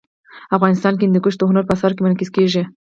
افغانستان کي هندوکش د هنر په اثارو کي منعکس کېږي.